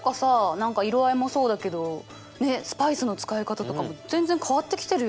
何か色合いもそうだけどねっスパイスの使い方とかも全然変わってきてるよね。